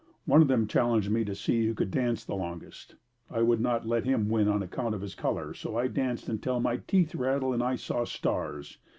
One of them challenged me to see who could dance the longest. I would not let him win on account of his color, so danced until my teeth rattled and I saw stars.